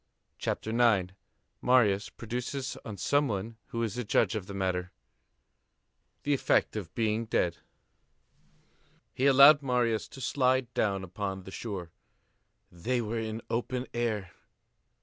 CHAPTER IX—MARIUS PRODUCES ON SOME ONE WHO IS A JUDGE OF THE MATTER, THE EFFECT OF BEING DEAD He allowed Marius to slide down upon the shore. They were in the open air!